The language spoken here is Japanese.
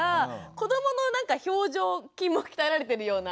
子どもの表情筋も鍛えられてるような。